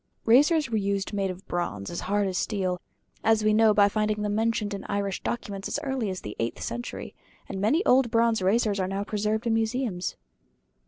Razors were used made of bronze as hard as steel, as we know by finding them mentioned in Irish documents as early as the eighth century; and many old bronze razors are now preserved in museums.